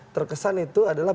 terkesan itu adalah